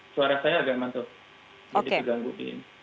suara saya agak mantul